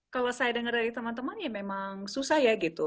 kalau saya dengar dari teman teman ya memang susah ya gitu